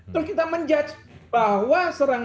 terus kita menjudge bahwa